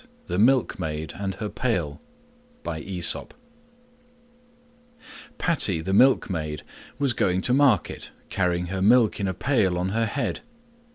THE MILKMAID AND HER PAIL Patty, the Milkmaid, was going to market carrying her milk in a Pail on her head.